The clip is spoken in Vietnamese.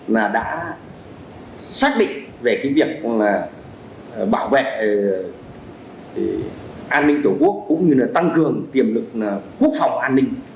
là đã xác định về việc bảo vệ an ninh tổ quốc cũng như tăng cường tiềm lực quốc phòng an ninh